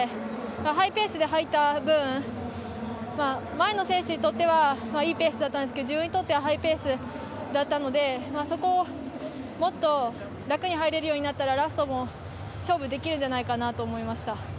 ハイペースで入った分前の選手にとってはいいペースだったんですけど自分にとってはハイペースだったのでそこをもっと楽に入れるようになったらラストも勝負できるんじゃないかなと思いました。